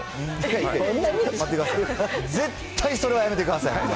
絶対、それはやめてください。